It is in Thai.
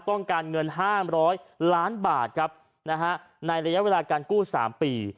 ต้องการเงิน๕๐๐ล้านบาทครับนะฮะในระยะเวลาการกู้๓ปี